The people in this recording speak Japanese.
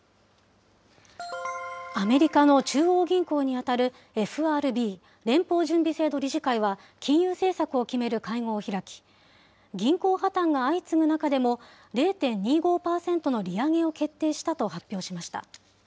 アメリカの中央銀行に当たるＦＲＢ・連邦準備制度理事会は、金融政策を決める会合を開き、銀行破綻が相次ぐ中でも、０．２５％の利上げを決定したと発表しました。